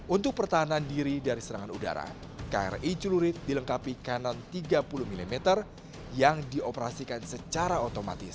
untuk pertahanan diri dari serangan udara kri celurit dilengkapi kanan tiga puluh mm yang dioperasikan secara otomatis